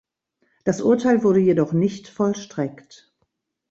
Das Urteil wurde jedoch nicht vollstreckt.